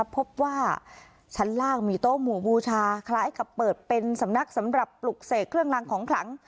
พบว่าชั้นล่างมีโต๊ะหมู่บูชาคล้ายกับเปิดเป็นสำนักสำหรับปลุกเสกเครื่องรางของขลัง